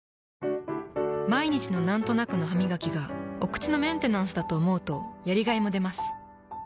毎日のなんとなくのハミガキがお口のメンテナンスだと思うとやりがいもでます。